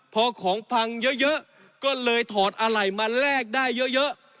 พอของพังเยอะก็เลยถอดอะไรมาแลกได้เยอะ